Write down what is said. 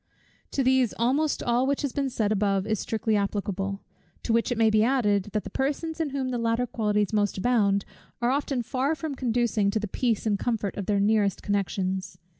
To these almost all which has been said above is strictly applicable; to which it may be added, that the persons in whom the latter qualities most abound, are often far from conducing to the peace and comfort of their nearest connections.